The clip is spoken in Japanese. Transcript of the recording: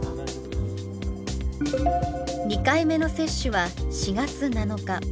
２回目の接種は４月７日。